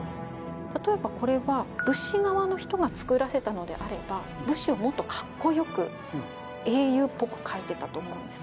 例えばこれは武士側の人が作らせたのであれば武士をもっとカッコ良く英雄っぽく描いてたと思うんです。